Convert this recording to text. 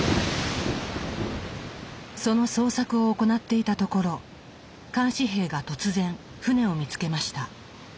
その捜索を行っていたところ監視兵が突然船を見つけました。